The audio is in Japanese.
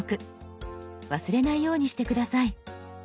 忘れないようにして下さい。